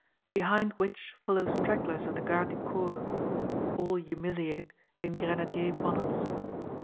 Behind which follow stragglers of the Garde du Corps; all humiliated, in Grenadier bonnets.